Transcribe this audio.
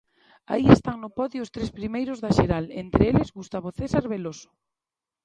Aí están no podio os tres primeiros da xeral, entre eles, Gustavo Cesar Veloso.